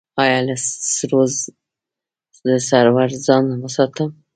ایا له سړو ځان وساتم؟